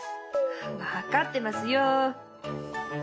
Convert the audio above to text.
分かってますよ。